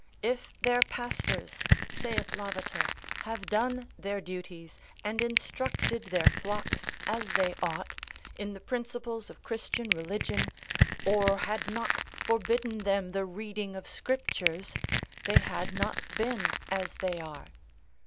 If their pastors (saith Lavater) have done their duties, and instructed their flocks as they ought, in the principles of Christian religion, or had not forbidden them the reading of scriptures, they had not been as they are.